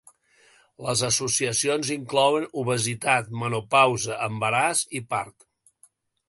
Les associacions inclouen obesitat, menopausa, embaràs i part.